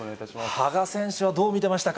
羽賀選手はどう見てましたか？